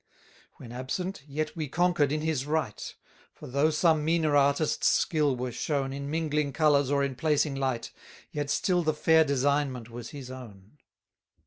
24 When absent, yet we conquer'd in his right: For though some meaner artist's skill were shown In mingling colours or in placing light, Yet still the fair designment was his own.